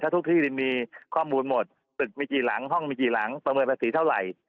ทุกที่มีข้อมูลหมดตึกมีกี่หลังห้องมีกี่หลังประเมินภาษีเท่าไหร่